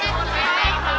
dari situ teman teman ditemu